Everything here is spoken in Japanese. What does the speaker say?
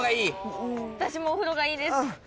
私もお風呂がいいです。